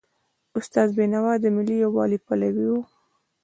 استاد بینوا د ملي یووالي پلوی و.